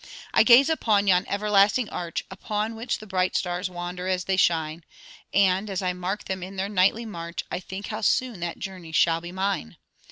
'I gaze upon yon everlasting arch, Up which the bright stars wander as they shine; And, as I mark them in their nightly march, I think how soon that journey shall be mine!